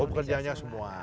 oh pekerjaannya semua